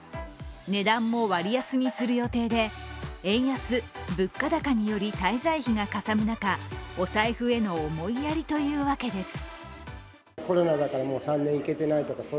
値段も割安にする予定で円安、物価高により滞在費がかさむ中お財布への思いやりというわけです。